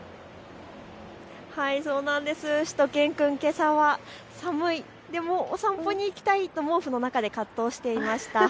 しゅと犬くん、けさは寒い、でもお散歩に行きたいと毛布の中で葛藤していました。